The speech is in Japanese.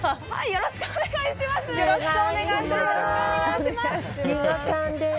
よろしくお願いします。